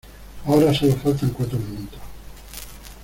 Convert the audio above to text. ahora solo faltan cuatro minutos.